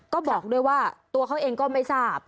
ก็บอกด้วยว่าตัวเขาเองก็ไม่ทราบ